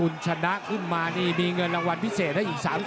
ในช่วงตรายกลุ่มที่สาม